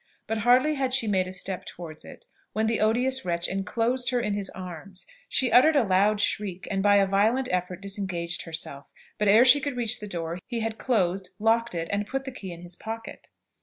But hardly had she made a step towards it, when the odious wretch enclosed her in his arms. She uttered a loud shriek, and by a violent effort disengaged herself; but ere she could reach the door, he had closed, locked it, and put the key in his pocket.